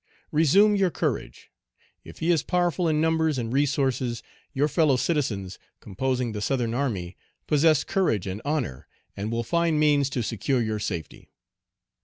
Resume your courage. If he is powerful in numbers and resources, your fellow citizens, composing the Southern army, possess courage and honor, and will find means to secure your safety.